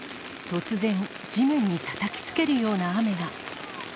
突然、地面にたたきつけるような雨が。